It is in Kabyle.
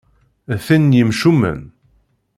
D tin n yemcumen.